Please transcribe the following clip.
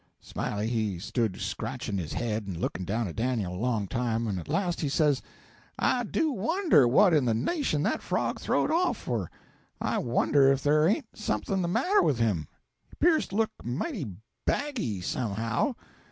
Smiley he stood scratching his head and looking down at Dan'l a long time, and at last he says, 'I do wonder what in the nation that frog throw'd off for I wonder if there ain't something the matter with him he 'pears to look mighty baggy, somehow.'